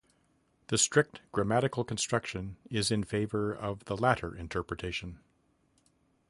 The strict grammatical construction is in favor of the latter interpretation.